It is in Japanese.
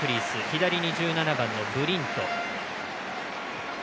左に１７番のブリント。